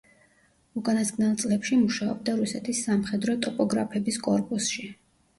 უკანასკნელ წლებში მუშაობდა რუსეთის სამხედრო ტოპოგრაფების კორპუსში.